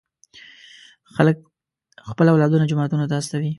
خلک خپل اولادونه جوماتونو ته استوي.